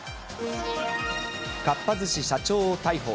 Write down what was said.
かっぱ寿司社長を逮捕。